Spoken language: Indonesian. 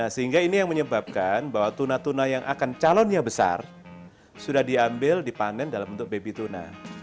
sehingga ini yang menyebabkan bahwa tuna tuna yang akan calonnya besar sudah diambil dipanen dalam bentuk baby tuna